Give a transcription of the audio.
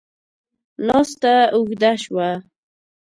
ناسته اوږده شوه.